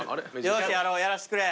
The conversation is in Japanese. やらしてくれ。